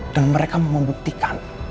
dan mereka membuktikan